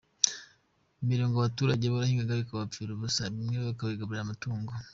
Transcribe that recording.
Mbere ngo abaturage barabihingaga bikabapfira ubusa bimwe bakabigaburira amatungo.